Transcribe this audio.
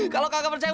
lihat ketawa aja